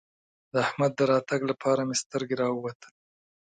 د احمد د راتګ لپاره مې سترګې راووتلې.